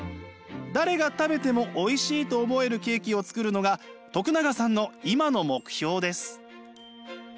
誰が食べてもおいしいと思えるケーキを作るのが永さんの今の目標です。